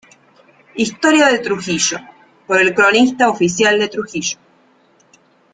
Historia de Trujillo, por el Cronista oficial de Trujillo.